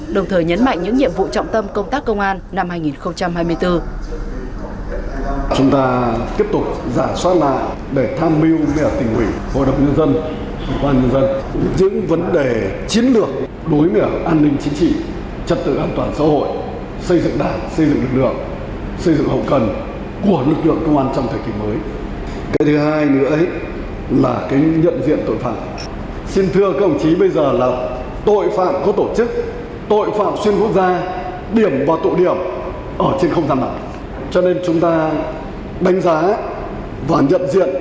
đồng thời nhấn mạnh những nhiệm vụ trọng tâm công tác công an năm hai nghìn hai mươi bốn